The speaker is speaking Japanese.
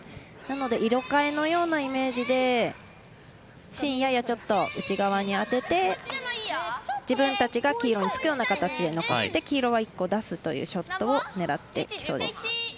なので、色かえのようなイメージで芯やや内側に当てて自分たちが黄色につくような形で残して、黄色は１個出すというショットを狙ってきそうです。